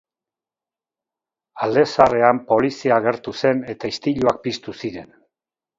Alde Zaharrean, polizia agertu zen, eta istiluak piztu ziren.